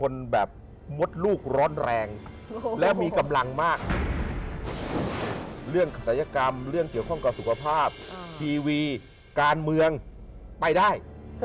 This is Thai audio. เรื่องเกี่ยวของการสุขภาพทีวีการเมืองไปได้